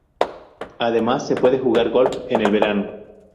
Además, se puede jugar golf en el verano.